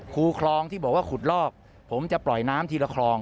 ครูคลองที่บอกว่าขุดลอกผมจะปล่อยน้ำทีละคลอง